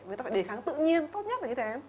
người ta phải đề kháng tự nhiên tốt nhất là như thế